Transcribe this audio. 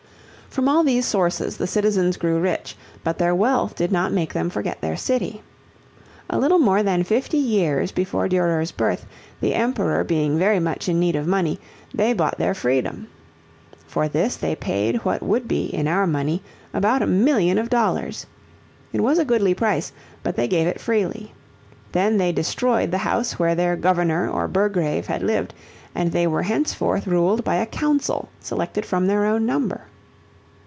From all these sources the citizens grew rich, but their wealth did not make them forget their city. A little more than fifty years before Durer's birth, the Emperor being very much in need of money, they bought their freedom. For this they paid what would be, in our money, about a million of dollars. It was a goodly price, but they gave it freely. Then they destroyed the house where their governor or Burgrave had lived and they were henceforth ruled by a council selected from their own number.